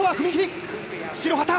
白旗！